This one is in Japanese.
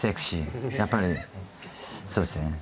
やっぱりそうですね。